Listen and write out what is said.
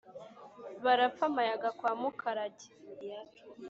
Barapfa Amayaga kwa Mukarage